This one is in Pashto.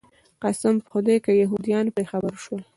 قسم په خدای که یهودان پرې خبر شول.